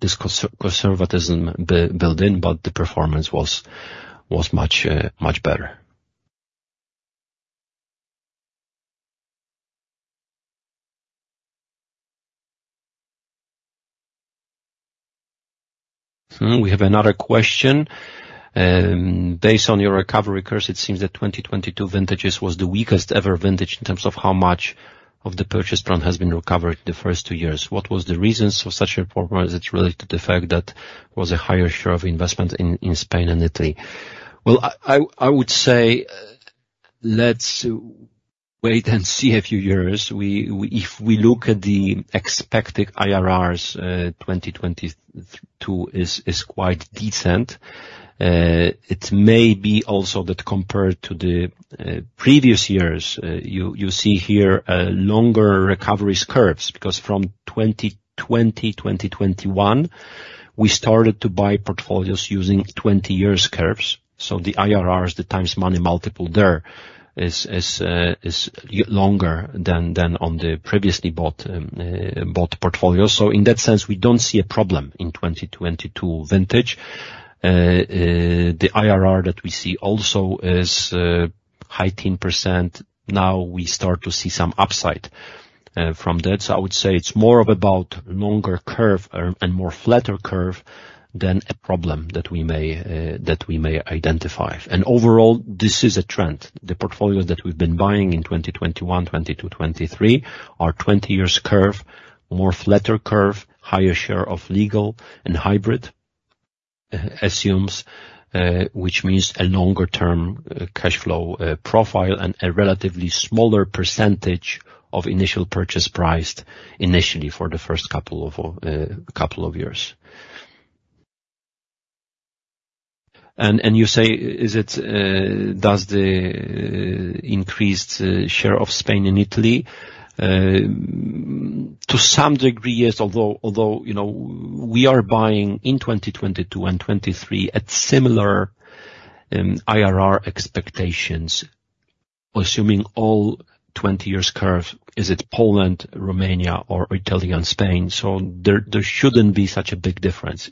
this conservatism built in, but the performance was much better. We have another question. Based on your recovery course, it seems that 2022 vintages was the weakest ever vintage in terms of how much of the purchase plan has been recovered the first two years. What was the reasons for such a performance? It's related to the fact that was a higher share of investment in Spain and Italy. Well, I would say, let's wait and see a few years. We, if we look at the expected IRRs, 2022 is quite decent. It may be also that compared to the previous years, you see here longer recovery curves, because from 2020, 2021, we started to buy portfolios using 20 years curves. So the IRRs, the times money multiple there, is longer than on the previously bought portfolios. So in that sense, we don't see a problem in 2022 vintage. The IRR that we see also is high teens %. Now, we start to see some upside from that. So I would say it's more of about longer curve and more flatter curve than a problem that we may identify. Overall, this is a trend. The portfolios that we've been buying in 2021, 2022, 2023, are 20-year curve, more flatter curve, higher share of legal and hybrid assumes, which means a longer term cash flow profile and a relatively smaller percentage of initial purchase priced initially for the first couple of years. And you say, is it does the increased share of Spain and Italy? To some degree, yes, although, you know, we are buying in 2022 and 2023 at similar IRR expectations, assuming all 20-year curves, is it Poland, Romania, or Italy and Spain? So there shouldn't be such a big difference.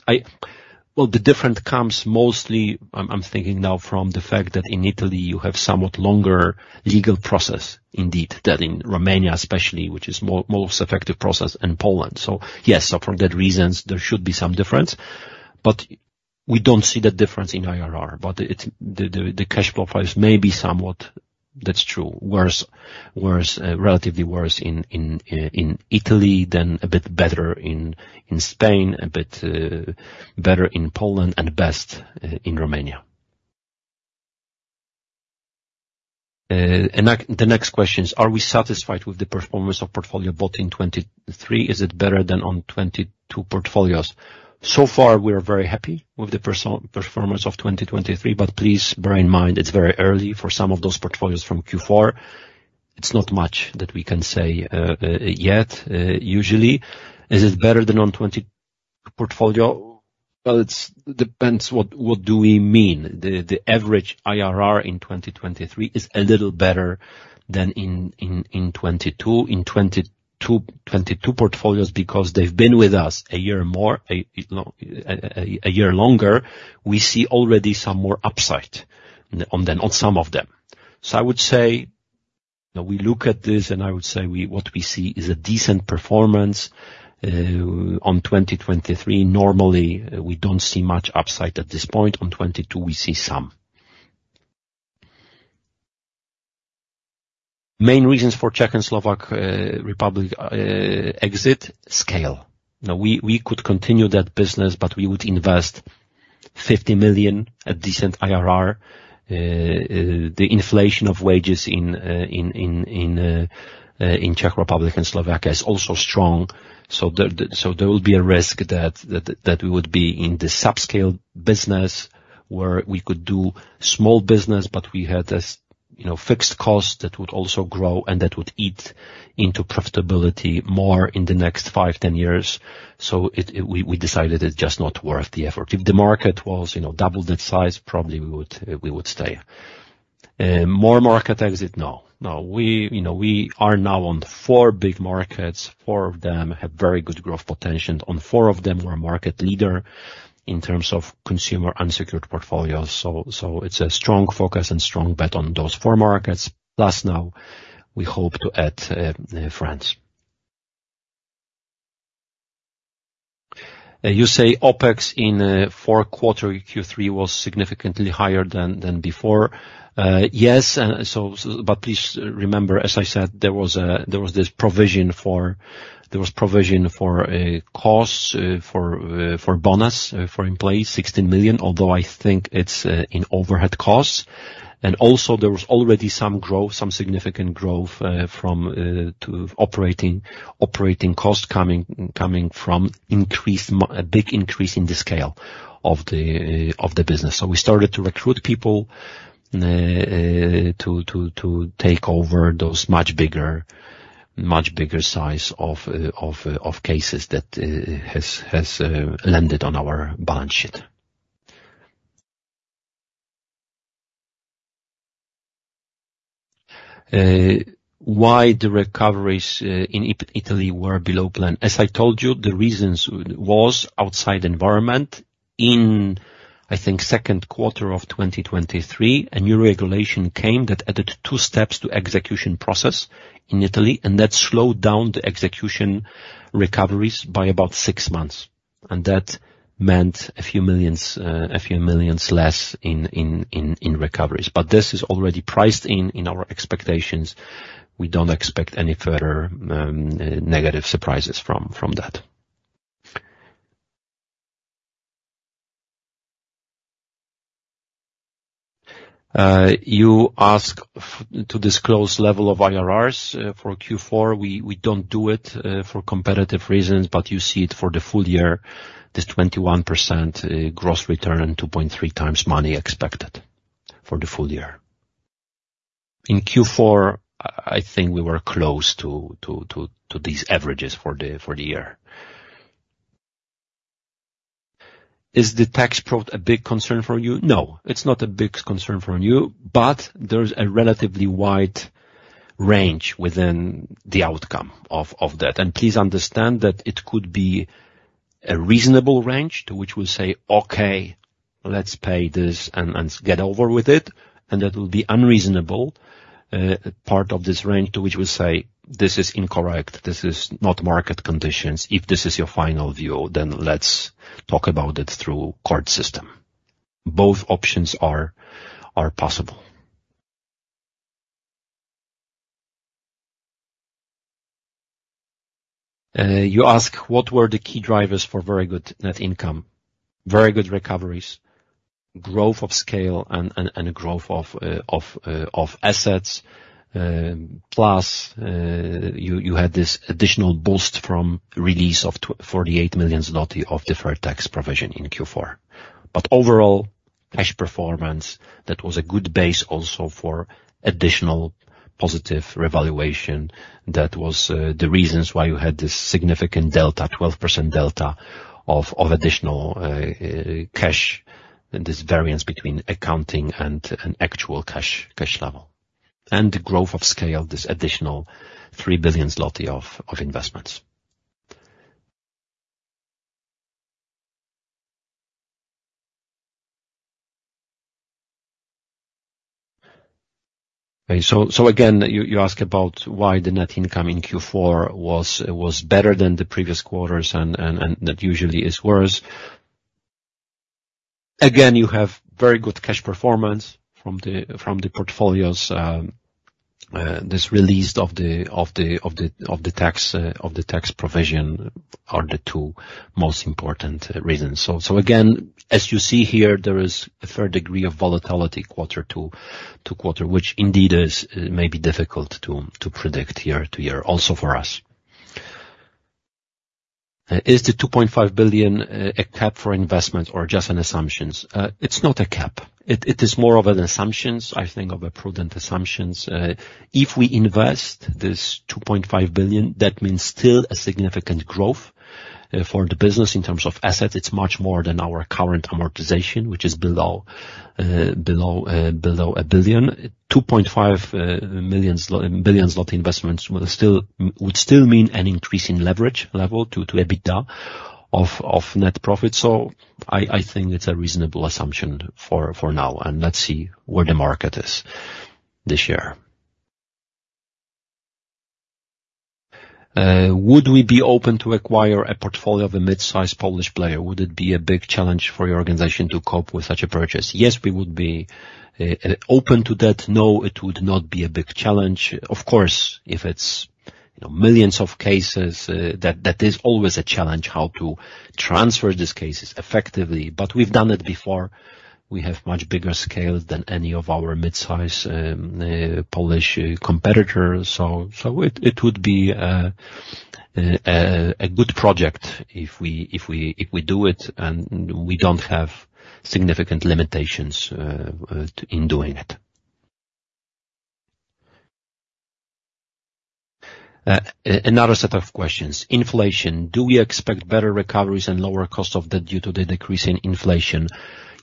Well, the difference comes mostly, I'm thinking now from the fact that in Italy you have somewhat longer legal process, indeed, than in Romania, especially, which is more effective process in Poland. So yes, for that reasons, there should be some difference, but we don't see the difference in IRR. But it's the cash flow profiles may be somewhat, that's true, worse, relatively worse in Italy, then a bit better in Spain, a bit better in Poland, and best in Romania. And the next question is: Are we satisfied with the performance of portfolio bought in 2023? Is it better than on 2022 portfolios? So far, we are very happy with the portfolio performance of 2023, but please bear in mind, it's very early for some of those portfolios from Q4. It's not much that we can say yet, usually. Is it better than on 2020 portfolio? Well, it depends what, what do we mean? The average IRR in 2023 is a little better than in 2022. In 2022, 2022 portfolios, because they've been with us a year more, a year longer, we see already some more upside on them, on some of them. So I would say, when we look at this, and I would say we, what we see is a decent performance on 2023. Normally, we don't see much upside at this point. On 2022, we see some. Main reasons for Czech and Slovak Republic exit scale. Now, we could continue that business, but we would invest 50 million, a decent IRR. The inflation of wages in Czech Republic and Slovakia is also strong. So there will be a risk that we would be in the subscale business, where we could do small business, but we had this, you know, fixed cost that would also grow, and that would eat into profitability more in the next five, 10 years. So we decided it's just not worth the effort. If the market was, you know, double that size, probably we would stay. More market exit? No. No, we, you know, we are now on four big markets. Four of them have very good growth potential. On four of them, we're a market leader in terms of consumer unsecured portfolios. So it's a strong focus and strong bet on those four markets. Plus, now we hope to add France. You say OpEx in Q4, Q3, was significantly higher than before. Yes, and so but please remember, as I said, there was this provision for a cost for bonus for in place, 16 million, although I think it's in overhead costs. And also, there was already some growth, some significant growth from to operating costs coming from increased a big increase in the scale of the business. So we started to recruit people to take over those much bigger size of cases that has landed on our balance sheet. Why the recoveries in Italy were below plan? As I told you, the reasons was outside environment. In I think Q2 of 2023, a new regulation came that added two steps to execution process in Italy, and that slowed down the execution recoveries by about six months. And that meant a few millions less in recoveries. But this is already priced in our expectations. We don't expect any further negative surprises from that. You ask to disclose level of IRRs for Q4. We don't do it for competitive reasons, but you see it for the full year, this 21% gross return and 2.3 times money expected for the full year. In Q4, I think we were close to these averages for the year. Is the tax probe a big concern for you? No, it's not a big concern for you, but there's a relatively wide range within the outcome of that. And please understand that it could be a reasonable range, to which we'll say, "Okay, let's pay this and get over with it." And that will be unreasonable part of this range, to which we'll say, "This is incorrect. This is not market conditions. If this is your final view, then let's talk about it through court system." Both options are possible. You ask, what were the key drivers for very good net income? Very good recoveries, growth of scale and growth of assets. Plus, you had this additional boost from release of 48 million zloty of deferred tax provision in Q4. But overall, cash performance that was a good base also for additional positive revaluation. That was the reasons why you had this significant delta, 12% delta of additional cash, and this variance between accounting and actual cash level. The growth of scale, this additional 3 billion zloty of investments. So again, you ask about why the net income in Q4 was better than the previous quarters and that usually is worse. Again, you have very good cash performance from the portfolios, this release of the tax provision are the two most important reasons. So, again, as you see here, there is a fair degree of volatility quarter-to-quarter, which indeed is may be difficult to predict year to year, also for us. Is the 2.5 billion a cap for investment or just an assumptions? It's not a cap. It is more of an assumptions, I think, of a prudent assumptions. If we invest this 2.5 billion, that means still a significant growth for the business in terms of assets. It's much more than our current amortization, which is below 1 billion. 2.5 billion zloty investments will still would still mean an increase in leverage level to EBITDA of net profit. So I think it's a reasonable assumption for now, and let's see where the market is this year. Would we be open to acquire a portfolio of a mid-size Polish player? Would it be a big challenge for your organization to cope with such a purchase? Yes, we would be open to that. No, it would not be a big challenge. Of course, if it's, you know, millions of cases, that is always a challenge, how to transfer these cases effectively. But we've done it before. We have much bigger scale than any of our mid-size Polish competitors. So it would be a good project if we do it, and we don't have significant limitations in doing it. Another set of questions. Inflation: Do we expect better recoveries and lower cost of the debt due to the decrease in inflation?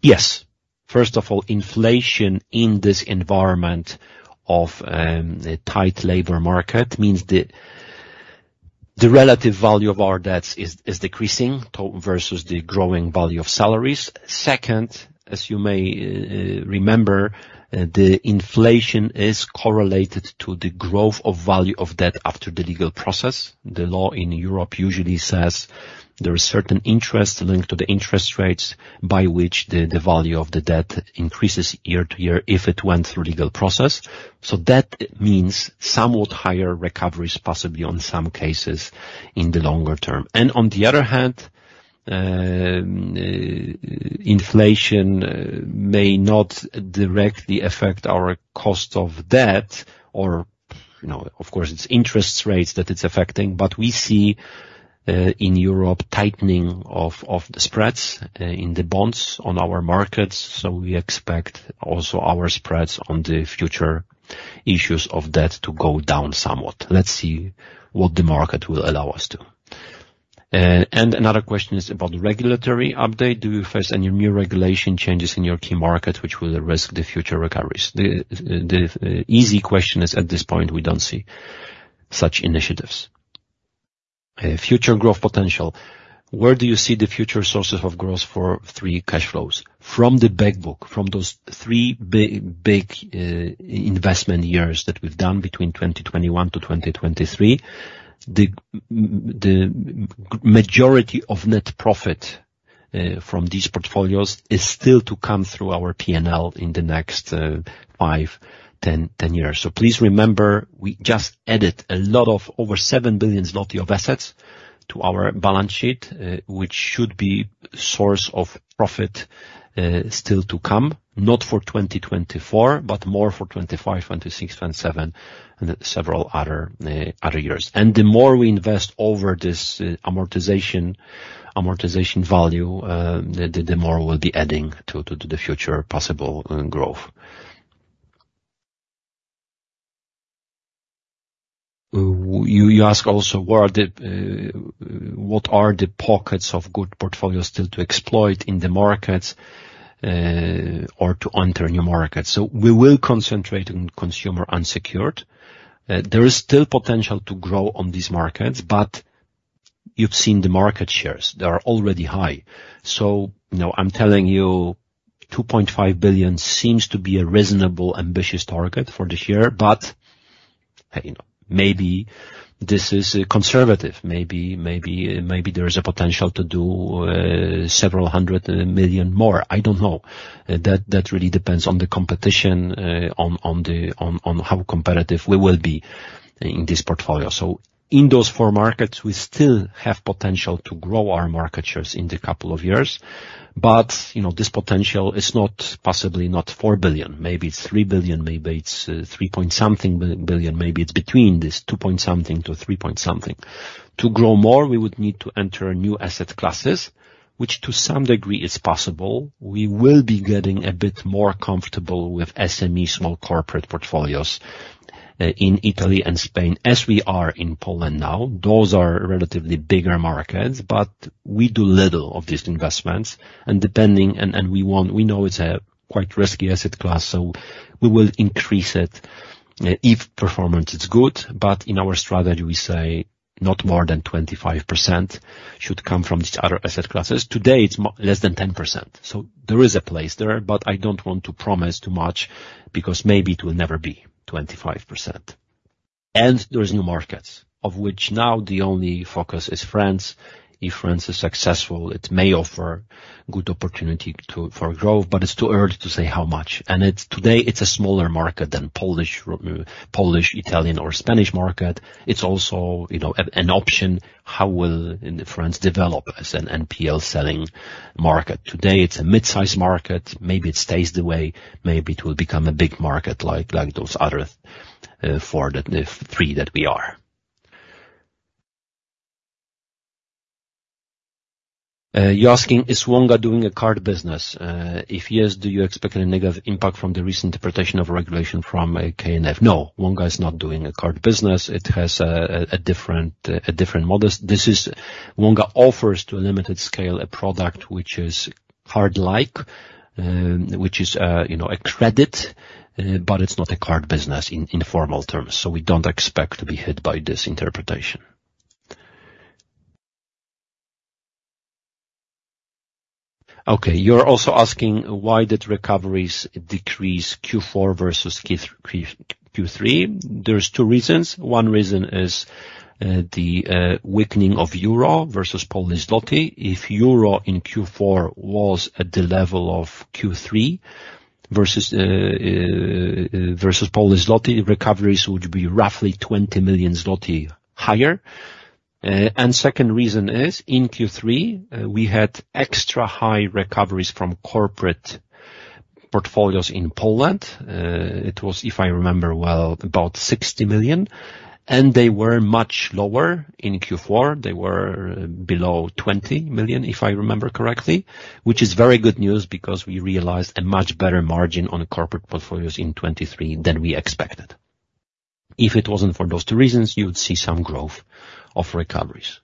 Yes. First of all, inflation in this environment of a tight labor market means the relative value of our debts is decreasing versus the growing value of salaries. Second, as you may remember, the inflation is correlated to the growth of value of debt after the legal process. The law in Europe usually says there is certain interest linked to the interest rates, by which the value of the debt increases year to year, if it went through legal process. So that means somewhat higher recoveries, possibly on some cases in the longer term. And on the other hand, inflation may not directly affect our cost of debt or, you know, of course, it's interest rates that it's affecting. But we see in Europe, tightening of the spreads in the bonds on our markets, so we expect also our spreads on the future issues of debt to go down somewhat. Let's see what the market will allow us to. And another question is about the regulatory update. Do you face any new regulation changes in your key market, which will risk the future recoveries? The easy question is, at this point, we don't see such initiatives. Future growth potential. Where do you see the future sources of growth for the cash flows? From the bank book, from those three big investment years that we've done between 2021 to 2023, the majority of net profit from these portfolios is still to come through our P&L in the next five to 10 years. So please remember, we just added a lot of over 7 billion zloty of assets to our balance sheet, which should be source of profit, still to come, not for 2024, but more for 2025, 2026, 2027, and several other years. And the more we invest over this amortization value, the more we'll be adding to the future possible growth. You ask also, what are the pockets of good portfolios still to exploit in the markets, or to enter new markets? So we will concentrate on consumer unsecured. There is still potential to grow on these markets, but you've seen the market shares. They are already high. So you know, I'm telling you, 2.5 billion seems to be a reasonable, ambitious target for this year, but, you know, maybe this is conservative. Maybe, maybe, maybe there is a potential to do several hundred million more. I don't know. That, that really depends on the competition, on, on the, on, on how competitive we will be in this portfolio. So in those four markets, we still have potential to grow our market shares in the couple of years, but, you know, this potential is not possibly, not 4 billion, maybe it's 3 billion, maybe it's three point something billion, maybe it's between this two point something to three point something. To grow more, we would need to enter new asset classes, which to some degree is possible. We will be getting a bit more comfortable with SME, small corporate portfolios, in Italy and Spain, as we are in Poland now. Those are relatively bigger markets, but we do little of these investments, and we want, we know it's a quite risky asset class, so we will increase it, if performance is good. But in our strategy, we say not more than 25% should come from these other asset classes. Today, it's less than 10%. So there is a place there, but I don't want to promise too much because maybe it will never be 25%. And there is new markets, of which now the only focus is France. If France is successful, it may offer good opportunity to, for growth, but it's too early to say how much. Today, it's a smaller market than Polish, Italian, or Spanish market. It's also, you know, an option, how will France develop as an NPL selling market? Today, it's a mid-sized market. Maybe it stays the way, maybe it will become a big market like those other three that we are. You're asking, is Wonga doing a card business? If yes, do you expect any negative impact from the recent interpretation of regulation from KNF? No, Wonga is not doing a card business. It has a different models. This is, Wonga offers to a limited scale, a product which is card-like, which is, you know, a credit, but it's not a card business in formal terms, so we don't expect to be hit by this interpretation. Okay, you're also asking, why did recoveries decrease Q4 versus Q3? There's two reasons. One reason is, the weakening of euro versus Polish zloty. If euro in Q4 was at the level of Q3 versus Polish zloty, recoveries would be roughly 20 million zloty higher. And second reason is, in Q3, we had extra high recoveries from corporate portfolios in Poland. It was, if I remember well, about 60 million, and they were much lower in Q4. They were below 20 million, if I remember correctly, which is very good news, because we realized a much better margin on corporate portfolios in 2023 than we expected. If it wasn't for those two reasons, you would see some growth of recoveries.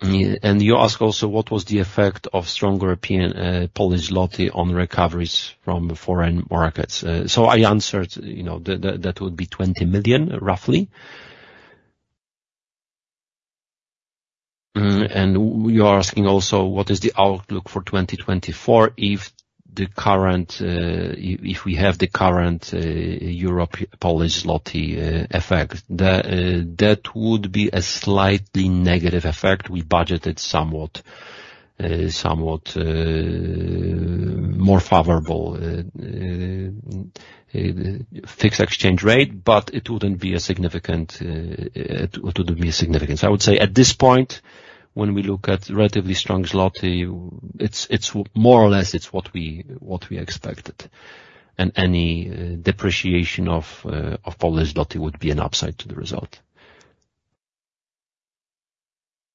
And you ask also what was the effect of strong European, Polish zloty on recoveries from foreign markets? So I answered, you know, that, that, that would be 20 million, roughly. And you are asking also, what is the outlook for 2024 if the current, if, if we have the current, Euro-Polish zloty, effect? That would be a slightly negative effect. We budgeted somewhat, somewhat, more favorable, fixed exchange rate, but it wouldn't be a significant, it wouldn't be significant. I would say, at this point, when we look at relatively strong zloty, it's, it's more or less it's what we, what we expected, and any, depreciation of, of Polish zloty would be an upside to the result.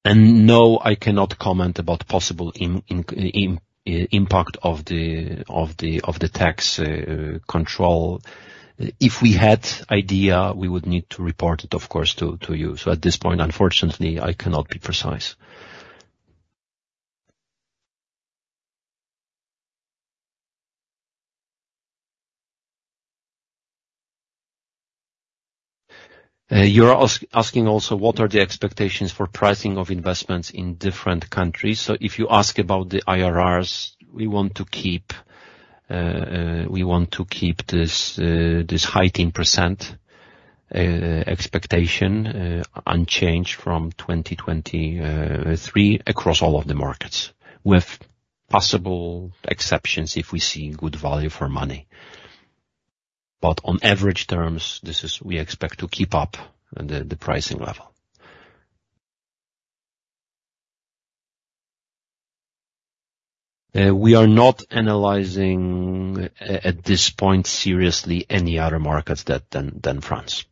And no, I cannot comment about possible impact of the, of the, of the tax, control. If we had idea, we would need to report it, of course, to, to you. So at this point, unfortunately, I cannot be precise. You're asking also, what are the expectations for pricing of investments in different countries? So if you ask about the IRRs, we want to keep this high in percent expectation unchanged from 2023 across all of the markets, with possible exceptions if we see good value for money. But on average terms, this is. We expect to keep up the pricing level. We are not analyzing at this point seriously any other markets than France.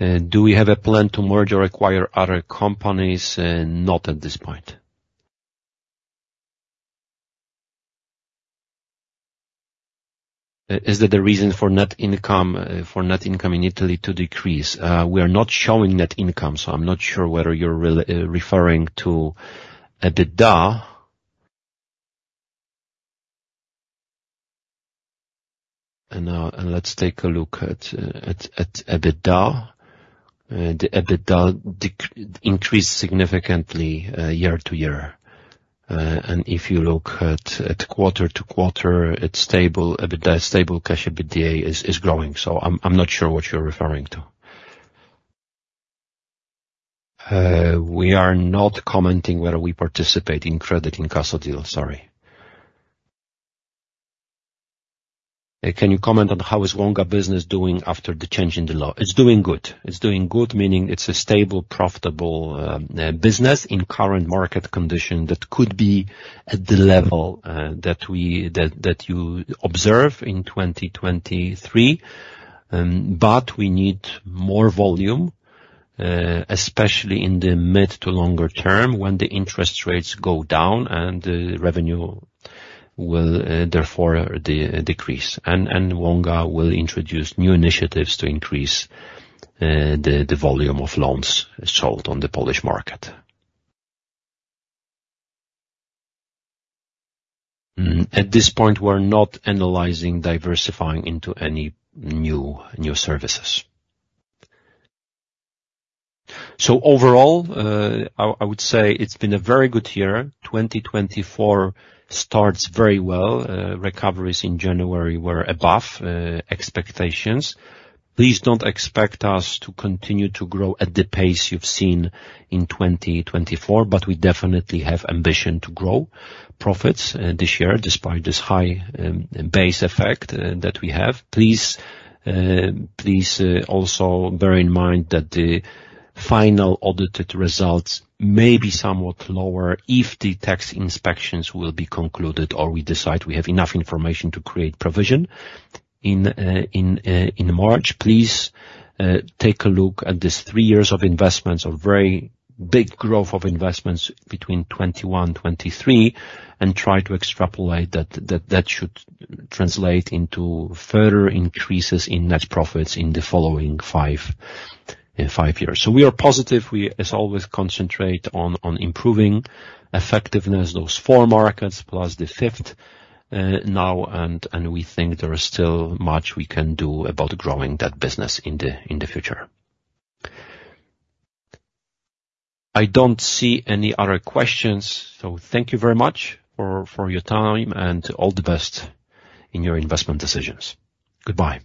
Do we have a plan to merge or acquire other companies? Not at this point. Is that the reason for net income in Italy to decrease? We are not showing net income, so I'm not sure whether you're referring to EBITDA. And let's take a look at EBITDA. The EBITDA increased significantly, year-to-year. And if you look at quarter-to-quarter, it's stable. EBITDA, stable cash EBITDA is growing, so I'm not sure what you're referring to. We are not commenting whether we participate in credit in Casa Deal, sorry. Can you comment on how is Wonga business doing after the change in the law? It's doing good. It's doing good, meaning it's a stable, profitable business in current market condition that could be at the level that you observe in 2023. But we need more volume, especially in the mid to longer term, when the interest rates go down and the revenue will therefore decrease. And Wonga will introduce new initiatives to increase the volume of loans sold on the Polish market. At this point, we're not analyzing diversifying into any new services. So overall, I would say it's been a very good year. 2024 starts very well. Recoveries in January were above expectations. Please don't expect us to continue to grow at the pace you've seen in 2024, but we definitely have ambition to grow profits this year, despite this high base effect that we have. Please also bear in mind that the final audited results may be somewhat lower if the tax inspections will be concluded, or we decide we have enough information to create provision. In March, please take a look at this three years of investments, of very big growth of investments between 2021 and 2023, and try to extrapolate that, that should translate into further increases in net profits in the following five years. So we are positive. We, as always, concentrate on improving effectiveness, those four markets plus the fifth now, and we think there is still much we can do about growing that business in the future. I don't see any other questions, so thank you very much for your time, and all the best in your investment decisions. Goodbye.